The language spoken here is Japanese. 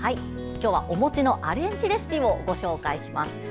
今日はお餅のアレンジレシピをご紹介します。